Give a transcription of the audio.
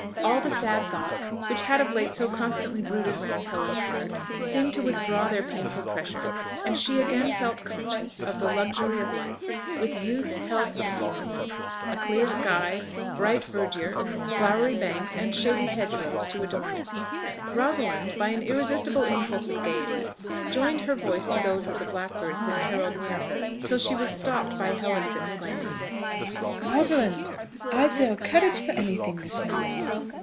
All the sad thoughts which had of late so constantly brooded round Helen's heart seemed to withdraw their painful pressure, and she again felt conscious of the luxury of life, with youth, health, and innocence, a clear sky, bright verdure, flowery banks, and shady hedge rows, to adorn it. Rosalind, by an irresistible impulse of gaiety, joined her voice to those of the blackbirds that carolled near her, till she was stopped by Helen's exclaiming, "Rosalind, I feel courage for anything this morning!"